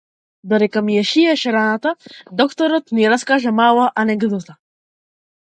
Додека ми ја шиеше раната докторот ни раскажа мала анегдота.